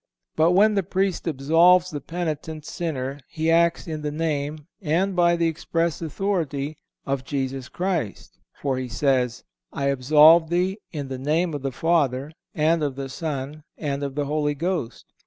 But when the Priest absolves the penitent sinner he acts in the name, and by the express authority, of Jesus Christ; for he says: "I absolve thee in the name of the Father, and of the Son, and of the Holy Ghost."